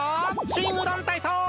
しんうどんたいそう！